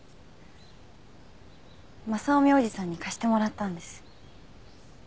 雅臣おじさんに貸してもらったんです。